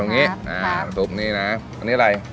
ใส่ลงไปตรงนี้ซุปนี่นะอันนี้อะไร